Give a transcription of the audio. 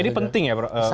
ini penting ya pak gampi ya